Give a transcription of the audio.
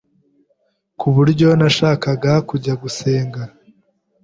ku buryo ntashakaga kujya gusenga,